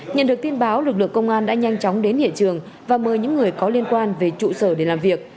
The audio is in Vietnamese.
nhận được tin báo lực lượng công an đã nhanh chóng đến hiện trường và mời những người có liên quan về trụ sở để làm việc